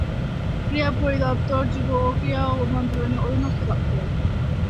ক্রীড়া পরিদপ্তর যুব ও ক্রীড়া মন্ত্রণালয়ের অধীনস্থ দপ্তর।